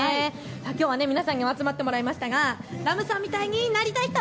きょうは皆さんにも集まってもらいましたがＲＡＭさんみたいになりたい人？